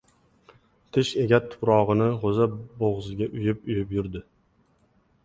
Tish egat tuprog‘ini g‘o‘za bo‘g‘ziga uyub-uyub yurdi.